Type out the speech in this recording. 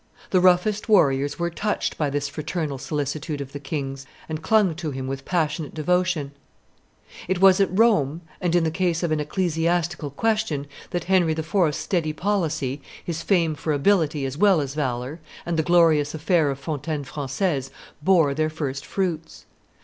The roughest warriors were touched by this fraternal solicitude of the king's, and clung to him with passionate devotion. It was at Rome, and in the case of an ecclesiastical question that Henry IV.'s steady policy, his fame for ability as well as valor, and the glorious affair of Fontaine Francaise bore their first fruits.